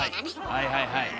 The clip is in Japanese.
はいはいはい。